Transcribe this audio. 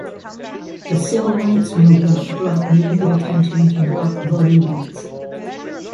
The Civil Rights Movement brought renewed attention to black voting rights.